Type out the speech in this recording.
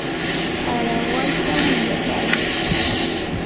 aranwayta willapamay.